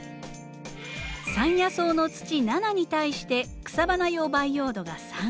山野草の土７に対して草花用培養土が３。